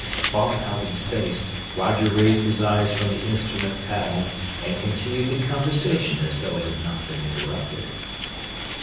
Far out in space, Roger raised his eyes from the instrument panel and continued the conversation as though it had not been interrupted.